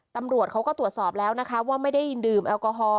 ตำรวจเขาก็ตรวจสอบแล้วนะคะว่าไม่ได้ดื่มแอลกอฮอล